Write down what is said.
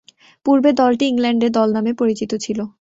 পূর্বে দলটি England A দল নামে পরিচিত ছিল।